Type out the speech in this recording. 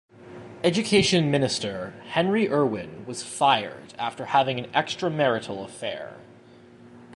Education minister Henry Irwin was fired after having an extramarital affair.